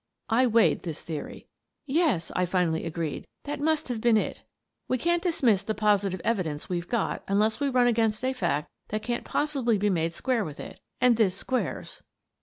I weighed this theory. " Yes/' I finally agreed, " that must have been it. We can't dismiss the positive evidence we've got unless we run against a fact that can't possibly be made to square with it — and this squares."